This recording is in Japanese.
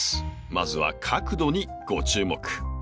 まずは角度にご注目。